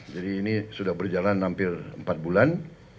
jadi ini sudah berjalan hampir empat bulan